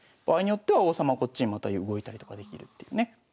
場合によっては王様こっちにまた動いたりとかできるっていうね。